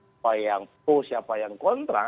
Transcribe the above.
siapa yang pro siapa yang kontra